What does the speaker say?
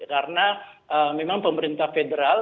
karena memang pemerintah federal